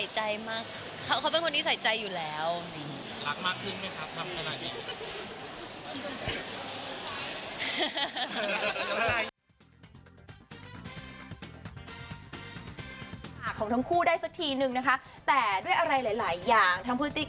จริงหลายคนเผินอย่างนี้เขาก็ว่าพี่แบร์ด์ของยากอย่างนี้